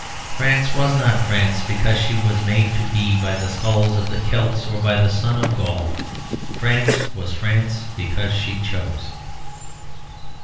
France was not France because she was made to be by the skulls of the Celts or by the sun of Gaul. France was France because she chose.